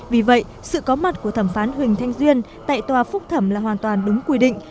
vì vậy sự có mặt của thẩm phán huỳnh thanh duyên tại tòa phúc thẩm là hoàn toàn đúng quy định